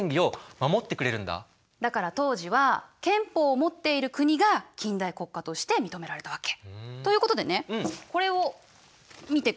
だから当時は憲法を持っている国が近代国家として認められたわけ。ということでねこれを見てください。